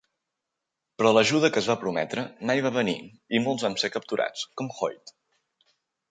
Però l'ajuda que es va prometre mai va venir i molts van ser capturats, com Hoyt.